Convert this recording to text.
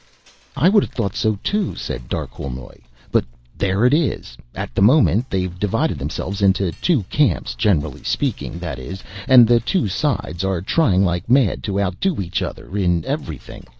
"I would have thought so, too," said Darquelnoy. "But there it is. At the moment, they've divided themselves into two camps generally speaking, that is and the two sides are trying like mad to outdo each other in everything.